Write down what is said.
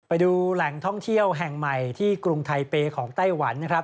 ไปดูแหล่งท่องเที่ยวแห่งใหม่ที่กรุงไทเปย์ของไต้หวันนะครับ